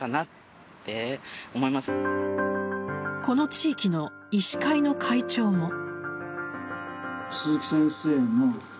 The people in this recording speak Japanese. この地域の医師会の会長も。